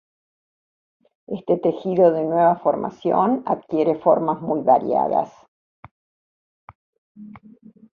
Este tejido de nueva formación adquiere formas muy variadas.